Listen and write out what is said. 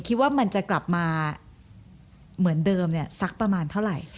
คิดว่ามันจะกลับมาเหมือนเดิมสักประมาณเท่าไหร่